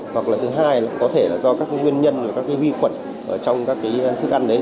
hoặc là thứ hai là có thể là do các cái nguyên nhân và các cái huy quẩn trong các cái thức ăn đấy